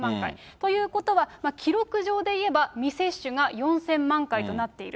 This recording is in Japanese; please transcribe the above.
ということは、記録上でいえば未接種が４０００万回となっている。